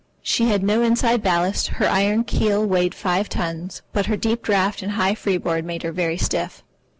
She had no inside ballast, her iron keel weighed five tons, but her deep draught and high freeboard made her very stiff.